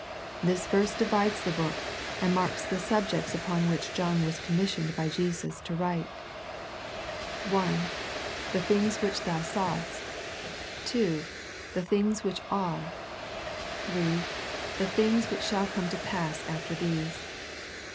This verse divides the book, and marks the subjects upon which John was commissioned by Jesus to write. Introductory 1 1 i. " The things which thou sawest." ii. " The things which are." iii. "The things which shall come to pass after these."